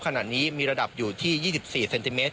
ขณะนี้มีระดับอยู่ที่๒๔เซนติเมตร